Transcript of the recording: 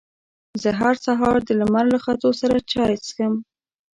زه هر سهار د لمر له ختو سره چای څښم.